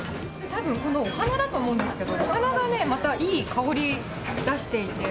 たぶんこの、お花だと思うんですけど、お花がね、またいい香り出していて。